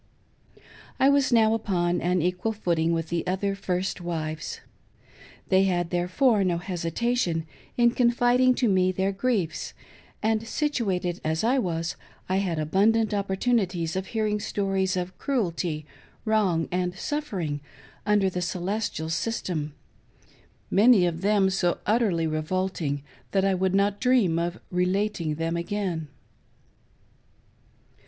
I was now upon an equal footing with other first wives. They had, therefore, no hesitation in confiding to me their griefs ; and situated as I was, I had abundant opportunities of hearing stories of cruelty, wrong, and suffering, under the " Celestial " system — many of them so utterly revolting that I would not dream of relating them again.